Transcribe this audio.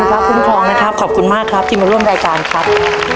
พระคุ้มครองนะครับขอบคุณมากครับที่มาร่วมรายการครับ